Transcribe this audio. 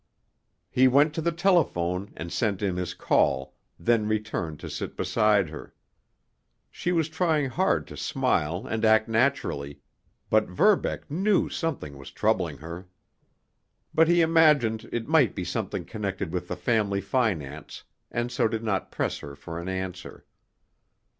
He went to the telephone and sent in his call, then returned to sit beside her. She was trying hard to smile and act naturally, but Verbeck knew something was troubling her. But he imagined it might be something connected with the family finance, and so did not press her for an answer.